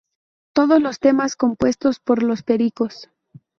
Todos los temas compuestos por Los Pericos.